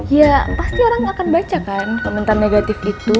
ya pasti orang akan baca kan komentar negatif itu